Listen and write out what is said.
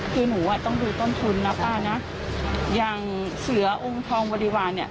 คือหนูอ่ะต้องดูต้นทุนนะป้านะอย่างเสือองค์ทองบริวารเนี่ย